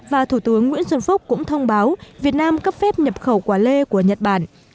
và thủ tướng nguyễn xuân phúc cũng thông báo việt nam cấp phép nhập khẩu quả lê của nhật bản